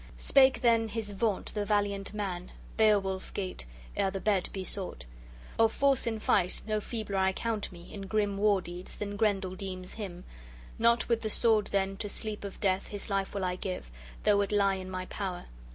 Spake then his Vaunt the valiant man, Beowulf Geat, ere the bed be sought: "Of force in fight no feebler I count me, in grim war deeds, than Grendel deems him. Not with the sword, then, to sleep of death his life will I give, though it lie in my power.